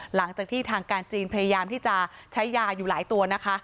หลังจากที่ทางการจีนพยายามที่จะใช้ยาอยู่หลายตัวนะคะ